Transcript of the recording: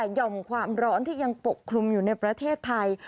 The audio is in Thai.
ยอมความร้อนที่ยังปกคลุมอยู่ในประเทศไทย